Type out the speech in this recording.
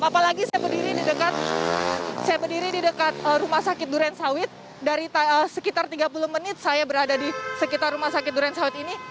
apalagi saya berdiri di dekat rumah sakit durensawit dari sekitar tiga puluh menit saya berada di sekitar rumah sakit durensawit ini